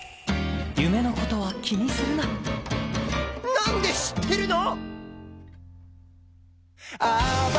なんで知ってるの！？